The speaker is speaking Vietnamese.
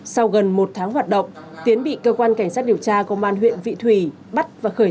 sau gần một tháng hoạt động tiến bị cơ quan cảnh sát điều tra công an huyện vị thủy bắt và khởi